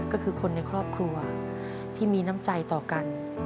ก็คือคนในครอบครัวที่มีน้ำใจต่อกัน